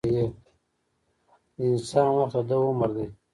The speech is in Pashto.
د انسان وخت دده عمر دی.